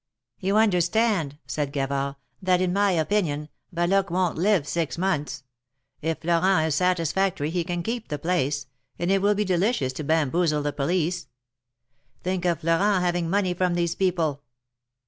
You understand," said Gavard, 'Ghat in my opinion, Valoque won't live six months. If Florent is satisfac tory, he can keep the place, and it will be delicious to bamboozle the police. Think of Florent having money from these people."